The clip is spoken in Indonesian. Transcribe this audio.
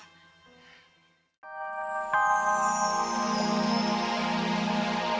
saya akan berusaha untuk mencoba